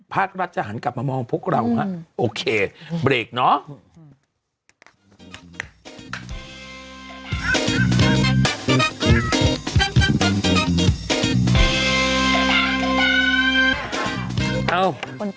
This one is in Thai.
ภาครัชหันกลับมามองพวกเราอ่ะโอเคเนาะ